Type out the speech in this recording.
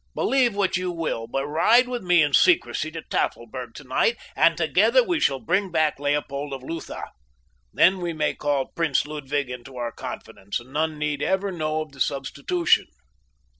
Believe what you will, but ride with me in secrecy to Tafelberg tonight, and together we shall bring back Leopold of Lutha. Then we may call Prince Ludwig into our confidence, and none need ever know of the substitution.